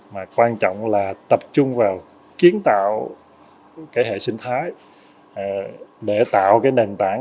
mà quan trọng là tập trung vào kiến tạo hệ sinh thái để tạo nền tảng